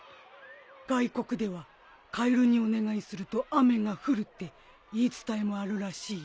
外国では「カエルにお願いすると雨が降る」って言い伝えもあるらしいよ。